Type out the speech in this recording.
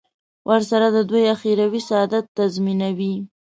ورسره د دوی اخروي سعادت تضمینوي.